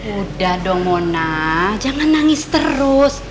udah dong mona jangan nangis terus